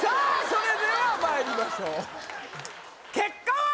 それではまいりましょう結果は！？